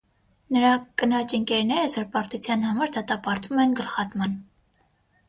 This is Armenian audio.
Նրա կնոջ «ընկերները» զրպարտության համար դատապարտվում են գլխատման։